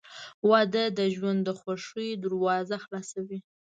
• واده د ژوند د خوښۍ دروازه خلاصوي.